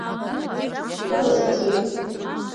Иҟәыбаса ицоит.